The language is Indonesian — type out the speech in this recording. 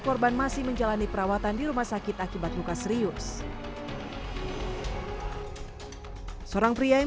korban masih menjalani perawatan di rumah sakit akibat luka serius seorang pria yang